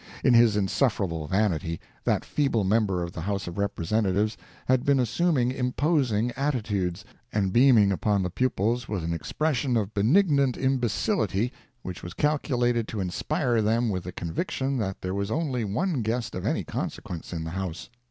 In his insufferable vanity, that feeble member of the House of Representatives had been assuming imposing attitudes, and beaming upon the pupils with an expression of benignant imbecility which was calculated to inspire them with the conviction that there was only one guest of any consequence in the house.